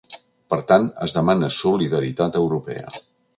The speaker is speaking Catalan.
Per tant, es demana solidaritat europea.